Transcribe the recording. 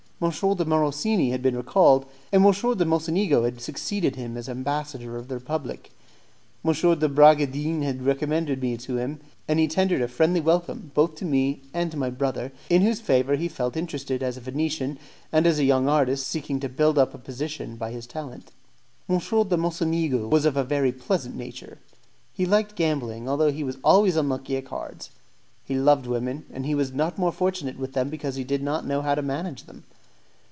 M. de Morosini had been recalled, and M. de Mocenigo had succeeded him as ambassador of the Republic. M. de Bragadin had recommended me to him, and he tendered a friendly welcome both to me and to my brother, in whose favour he felt interested as a Venetian, and as a young artist seeking to build up a position by his talent. M. de Mocenigo was of a very pleasant nature; he liked gambling although he was always unlucky at cards; he loved women, and he was not more fortunate with them because he did not know how to manage them.